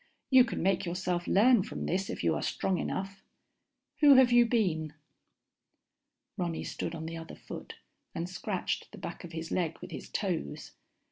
You can make yourself learn from this if you are strong enough. Who have you been?_ Ronny stood on the other foot and scratched the back of his leg with his toes.